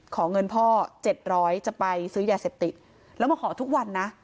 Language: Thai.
ขอเงินพ่อ๗๐๐จะไปซื้อยาเสพติดแล้วมาขอทุกวันนะ